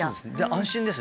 安心ですね